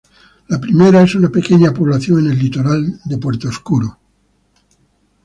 La primera es una pequeña población en el litoral de Puerto Oscuro.